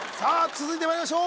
続いてまいりましょう